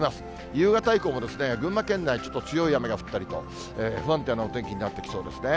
夕方以降も群馬県内、ちょっと強い雨が降ったりと、不安定なお天気になってきそうですね。